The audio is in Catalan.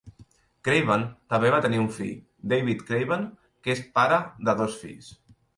Craven també va tenir un fill, David Craven, que és pare de dos fills.